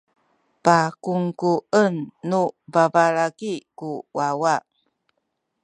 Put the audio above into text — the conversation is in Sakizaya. pakungkuen nu babalaki ku wawa.